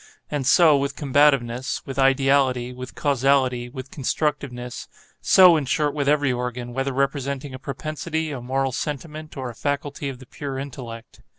And so with combativeness, with ideality, with causality, with constructiveness,—so, in short, with every organ, whether representing a propensity, a moral sentiment, or a faculty of the pure intellect.